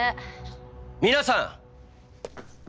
皆さん！